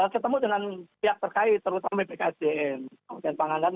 ketemu dengan pihak terkait terutama bkp sdm pak hussein pangangan